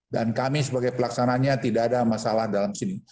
dan kami sebagai pelaksananya tidak ada masalah dalam sini